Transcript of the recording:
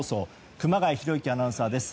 熊谷博之アナウンサーです。